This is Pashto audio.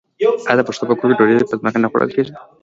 آیا د پښتنو په کور کې ډوډۍ په ځمکه نه خوړل کیږي؟